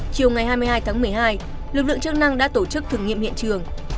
chiều ngày hai mươi hai tháng một mươi hai lực lượng chức năng đã tổ chức thử nghiệm hiện trường